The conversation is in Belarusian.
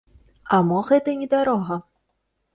А мо гэта не дарога?